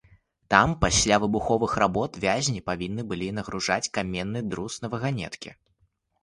Там пасля выбуховых работ вязні павінны былі нагружаць каменны друз на ваганеткі.